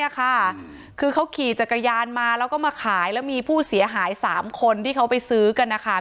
คือเขาขี่จักรยานมาแล้วก็มาขายแล้วมีผู้เสียหาย๓คนที่เขาไปซื้อกันนะคะ